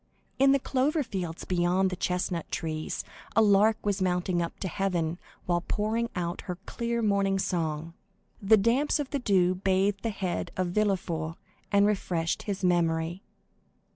In the clover fields beyond the chestnut trees, a lark was mounting up to heaven, while pouring out her clear morning song. The damps of the dew bathed the head of Villefort, and refreshed his memory.